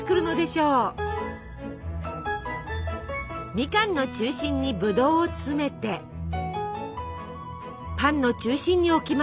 みかんの中心にブドウを詰めてパンの中心に置きます。